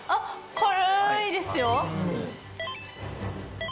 軽いですよ。